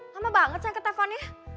mama banget yang ketelpon ya